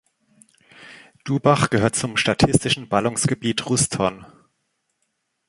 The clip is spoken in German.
Dubach gehört zum statistischen Ballungsgebiet Ruston.